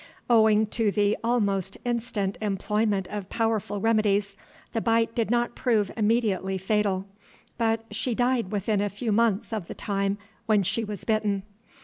Owing to the almost instant employment of powerful remedies, the bite did not prove immediately fatal; but she died within a few months of the time when she was bitten.